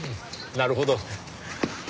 なるほど。